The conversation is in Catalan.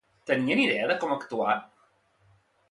Tenien idea de com actuar?